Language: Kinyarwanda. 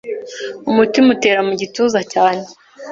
umutima utera mu gituza cyanjye